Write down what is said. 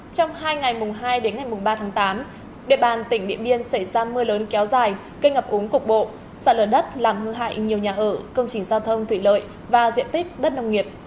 trong hai ngày mùng hai đến ngày mùng ba tháng tám địa bàn tỉnh điện biên xảy ra mưa lớn kéo dài cây ngập úng cục bộ sạn lửa đất làm hư hại nhiều nhà ở công trình giao thông thủy lợi và diện tích đất nông nghiệp